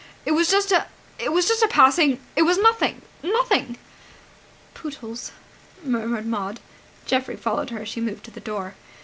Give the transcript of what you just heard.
"It was just a ... it was just a passing ... It was nothing ... nothing." "Pootles!" murmured Maud. Geoffrey followed her as she moved to the door.